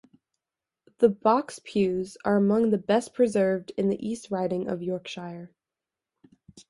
The box pews are among the best-preserved in the East Riding of Yorkshire.